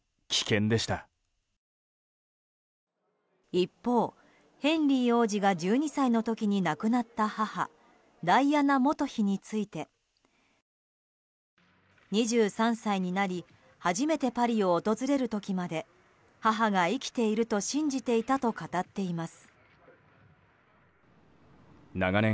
一方、ヘンリー王子が１２歳の時に亡くなった母ダイアナ元妃について２３歳になり初めてパリを訪れる時まで母が生きていると信じていたと語っています。